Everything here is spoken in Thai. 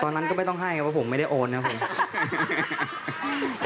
ตอนนั้นก็ไม่ต้องให้ครับเพราะผมไม่ได้โอนครับผม